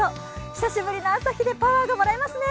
久しぶりの朝日でパワーがもらえますね。